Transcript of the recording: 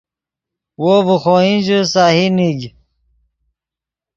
وو ڤے خوئن ژے سہی نیگ